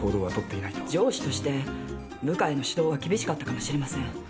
上司として部下への指導は厳しかったかもしれません。